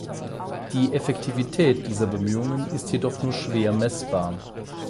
Die Effektivität dieser Bemühungen ist jedoch nur schwer meßbar.